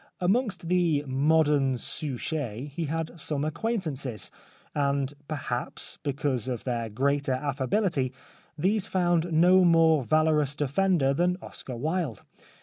Amongst the modern souches he had some acquaintances, and, perhaps, because of their greater affability, these found no more valorous defender than Oscar Wilde.